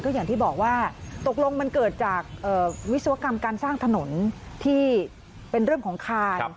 อย่างที่บอกว่าตกลงมันเกิดจากวิศวกรรมการสร้างถนนที่เป็นเรื่องของคาน